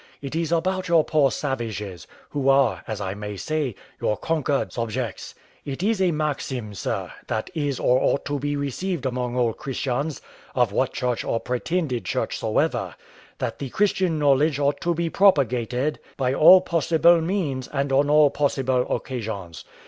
It is about your poor savages, who are, as I may say, your conquered subjects. It is a maxim, sir, that is or ought to be received among all Christians, of what church or pretended church soever, that the Christian knowledge ought to be propagated by all possible means and on all possible occasions.